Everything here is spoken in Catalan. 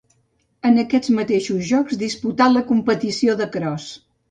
En aquests mateixos Jocs disputà la competició de cros.